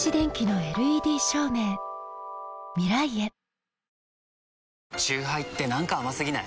花王チューハイって何か甘すぎない？